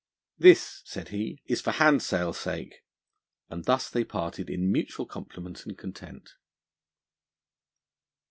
'This,' said he, 'is for handsale sake '; and thus they parted in mutual compliment and content.